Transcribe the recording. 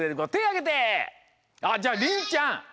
あっじゃありんちゃん！